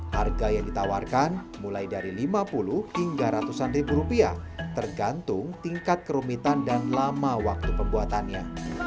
harga yang ditawarkan mulai dari lima puluh hingga ratusan ribu rupiah tergantung tingkat kerumitan dan lama waktu pembuatannya